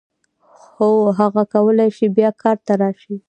هو هغه کولای شي بیا کار ته راشي.